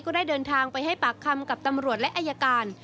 ได้เดินทางไปให้ปากคำกับตำรวจและอายการ